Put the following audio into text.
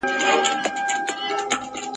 هم باتور د خپل اولس وي هم منظور د خپل اولس وي !.